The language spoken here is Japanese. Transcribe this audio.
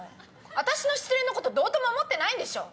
私の失恋のことどうとも思ってないんでしょ？